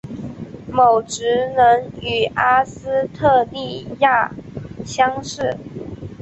其职能与阿斯特莉亚相似。